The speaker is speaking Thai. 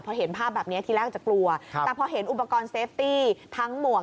พอเห็นภาพแบบนี้ทีแรกจะกลัวแต่พอเห็นอุปกรณ์เซฟตี้ทั้งหมวก